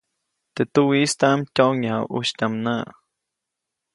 Teʼ tuwiʼistaʼm tyoʼŋyaju ʼusytyaʼm näʼ.